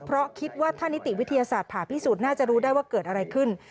เพราะคิดว่าถ้านิติวิทยาศาสตร์ผ่าพิสูจน์น่าจะรู้ได้ว่าเกิดอะไรขึ้น